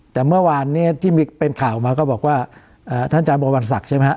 แต่เมื่อวานที่มีเป็นข่าวออกมาก็บอกว่าท่านจารย์บอกว่าวันศักดิ์ใช่ไหมครับ